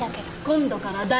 今度から大。